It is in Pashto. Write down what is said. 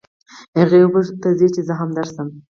هغې وپوښتل ته ځې چې زه هم درځم.